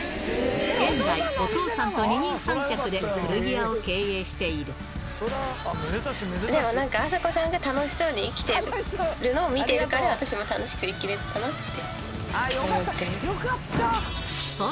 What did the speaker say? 現在、お父さんと二人三脚ででもなんか、あさこさんが楽しそうに生きてるのを見てるから、私も楽しく生きれたかなって。